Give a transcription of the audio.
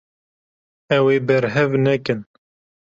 Ew ê berhev nekin.